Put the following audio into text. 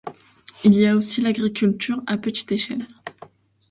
Il y a aussi l'agriculture à petite échelle.